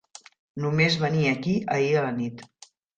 Només venir aquí ahir a la nit.